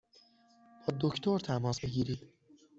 با دکتر تماس بگیرید!